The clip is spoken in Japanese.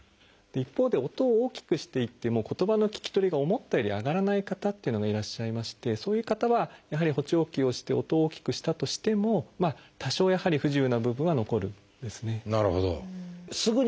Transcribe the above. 一方で音を大きくしていっても言葉の聞き取りが思ったより上がらない方というのがいらっしゃいましてそういう方はやはり補聴器をして音を大きくしたとしても多少やはり不自由な部分は残るんですね。